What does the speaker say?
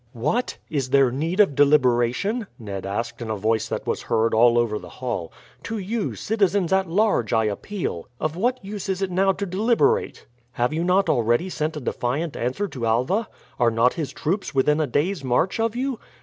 "What! is there need of deliberation?" Ned asked in a voice that was heard all over the hall. "To you, citizens at large, I appeal. Of what use is it now to deliberate? Have you not already sent a defiant answer to Alva? Are not his troops within a day's march of you?